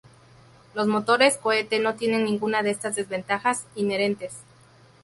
Los motores cohete no tienen ninguna de estas desventajas inherentes.